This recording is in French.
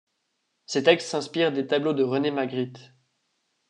Ces textes s'inspirent des tableaux de René Magritte.